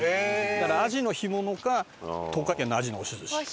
だからアジの干物か東華軒のアジの押し寿司。